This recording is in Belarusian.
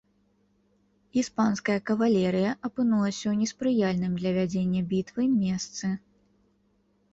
Іспанская кавалерыя апынулася ў неспрыяльным для вядзення бітвы месцы.